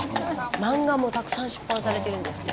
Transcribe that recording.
漫画もたくさん出版されてるんですって。